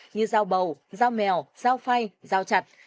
như dao bầu dao mèo dao phay dao chặt